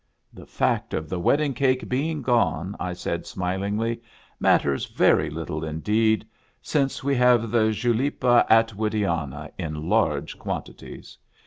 " The fact of the wedding cake being gone," I said, smilingly, •' matters very little indeed, since we have the Julepa Attwood iana in large quantities."